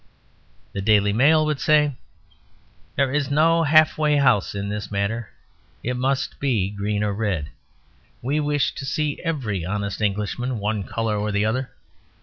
The DAILY MAIL would say: "There is no halfway house in this matter; it must be green or red. We wish to see every honest Englishman one colour or the other."